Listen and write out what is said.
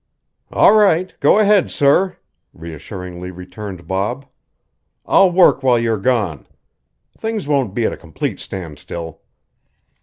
"All right. Go ahead, Sir," reassuringly returned Bob. "I'll work while you're gone. Things won't be at a complete standstill."